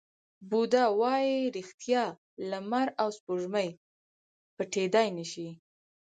بودا وایي ریښتیا، لمر او سپوږمۍ پټېدای نه شي.